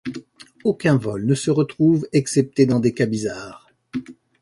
Aucun vol ne se retrouve, excepté dans des cas bizarres.